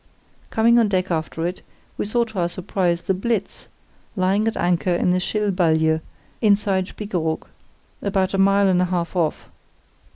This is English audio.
Coming on deck after it, we saw to our surprise the Blitz, lying at anchor in the Schill Balje, inside Spiekeroog, about a mile and a half off.